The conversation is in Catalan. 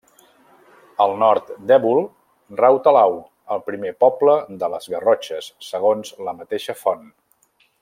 Al nord d'Évol rau Talau, el primer poble de les Garrotxes, segons la mateixa font.